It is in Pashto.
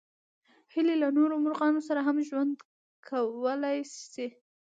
هیلۍ له نورو مرغانو سره هم ژوند کولی شي